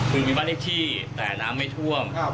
คือมีบ้านเลขที่แต่น้ำไม่ท่วม